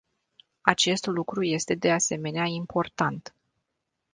Acest lucru este de asemenea important.